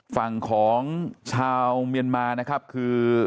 ฝั่งของชาวเมียนมานะครับคือ